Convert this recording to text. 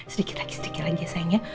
sedikit lagi sedikit lagi ya sayangnya